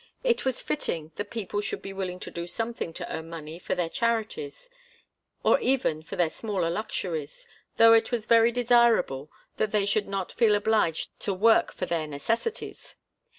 It was fitting that people should be willing to do something to earn money for their charities, or even for their smaller luxuries, though it was very desirable that they should not feel obliged to work for their necessities.